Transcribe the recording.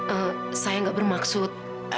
eh saya gak bermaksud